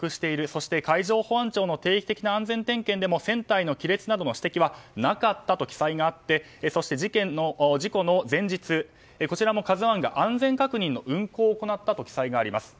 そして海上保安庁の定期的な安全点検でも指摘はなかったと記載がありそして事故の前日こちらも「ＫＡＺＵ１」が安全確認の運航を行ったと記載があります。